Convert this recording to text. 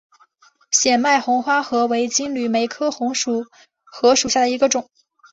显脉红花荷为金缕梅科红花荷属下的一个种。